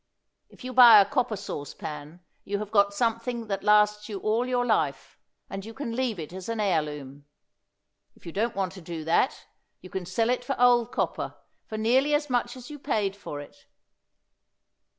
If you buy a copper sauce pan you have got something that lasts you all your life, and you can leave it as an heirloom; if you don't want to do that, you can sell it for old copper for nearly as much as you paid for it.